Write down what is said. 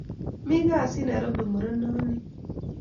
Mi gasi Nairopi murenet nin.